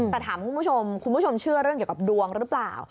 แต่ถามคุณผู้ชมคุณผู้ชมเชื่อเรื่องเกี่ยวกับดวงหรือเปล่า